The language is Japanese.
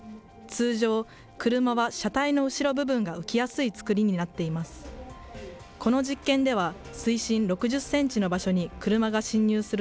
通常、車は車体の後ろ部分が浮きやすい作りになっています。